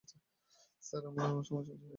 Sir, আমাদের সমস্যাটা সমাধান করে দিন না, প্লীয।